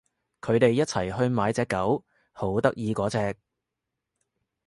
佢哋一齊去買隻狗，好得意嗰隻